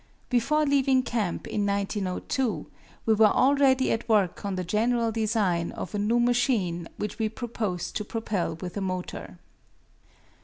Before leaving camp in 1902 we were already at work on the general design of a new machine which we proposed to propel with a motor.